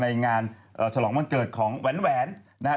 ในงานฉลองวันเกิดของแหวนนะครับ